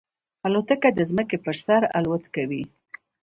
الوتکه د ځمکې پر سر الوت کوي.